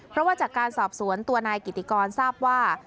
เพราะว่าจากการสอบสวนตัวนายกิติกรทราบว่า